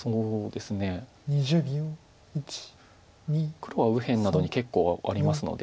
黒は右辺などに結構ありますので。